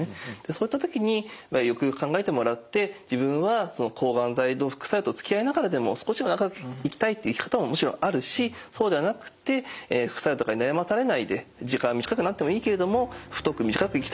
そういった時によくよく考えてもらって自分は抗がん剤の副作用とつきあいながらでも少しでも長く生きたいっていう生き方ももちろんあるしそうではなくて副作用とかに悩まされないで時間は短くなってもいいけれども太く短く生きたいんだ。